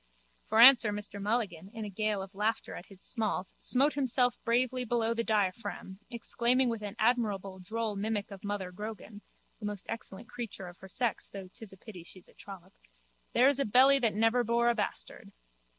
For answer Mr Mulligan, in a gale of laughter at his smalls, smote himself bravely below the diaphragm, exclaiming with an admirable droll mimic of Mother Grogan (the most excellent creature of her sex though 'tis pity she's a trollop): There's a belly that never bore a bastard.